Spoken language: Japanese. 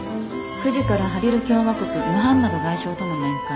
９時からハリル共和国ムハンマド外相との面会。